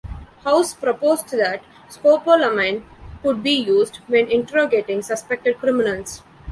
House proposed that scopolamine could be used when interrogating suspected criminals.